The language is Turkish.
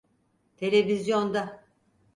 Televizyonda.